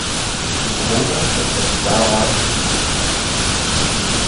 Z Homera se však stává upír.